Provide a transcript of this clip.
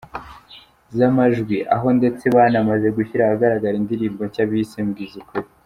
zamajwi, aho ndetse banamaze gushyira ahagaragara indirimbo nshya bise Mbwiza ukuri.